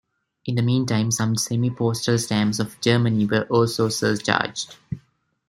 In the meantime, some semi-postal stamps of Germany were also surcharged.